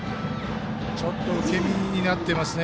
ちょっと受け身になってますね。